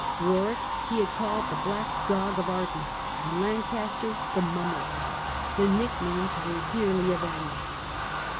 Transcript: Warwick he had called " the black dog of Arden ", and Lancaster " the mummer ". The nicknames were dearly avenged.